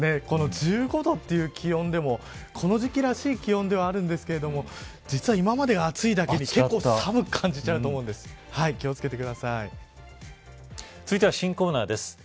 この１５度という気温でもこの時期らしい気温ではあるんですが実は、今までが暑いだけに結構、寒く感じると思うんです。